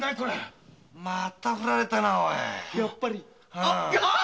またふられたなおい。